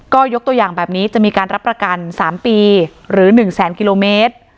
ก็ยกตัวอย่างแบบนี้จะมีการรับประกัน๓ปีหรือ๑แสนกิโลเมตร